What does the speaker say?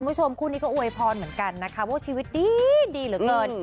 คุณผู้ชมคู่นี้ก็อวยพรเหมือนกันนะคะว่าชีวิตดีเหลือเกิน